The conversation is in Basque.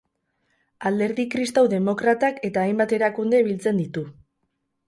Alderdi kristau demokratak eta hainbat erakunde biltzen ditu.